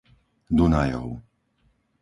Dunajov